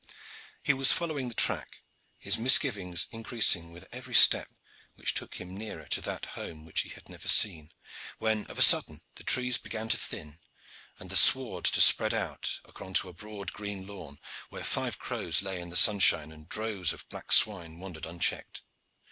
He was following the track, his misgivings increasing with every step which took him nearer to that home which he had never seen, when of a sudden the trees began to thin and the sward to spread out onto a broad, green lawn, where five cows lay in the sunshine and droves of black swine wandered unchecked.